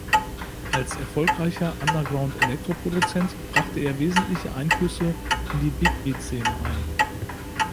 Als erfolgreicher Underground-Electro-Produzent brachte er wesentliche Einflüsse in die Big-Beat-Szene ein.